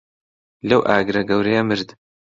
لەو ئاگرە گەورەیە مرد.